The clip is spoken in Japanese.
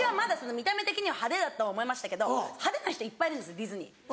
見た目的には派手だとは思いましたけど派手な人いっぱいいるんですディズニー。